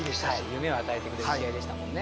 夢を与えてくれる試合でしたもんね。